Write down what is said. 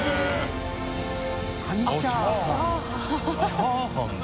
チャーハンだ。